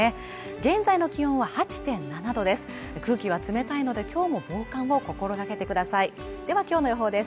現在の気温は８．７度ですが空気は冷たいのできょうも防寒を心がけてくださいではきょうの予報です